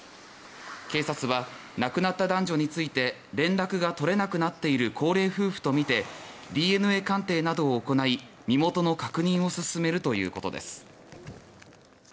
警察は亡くなった男女について連絡が取れなくなっている高齢夫婦とみてＤＮＡ鑑定などを行い身元の確認を進めるということです。